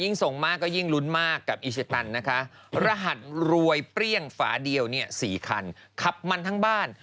ส่งมากก็ยิ่งลุ้นมากกับอีชิตันนะคะรหัสรวยเปรี้ยงฝาเดียวเนี่ย๔คันขับมันทั้งบ้าน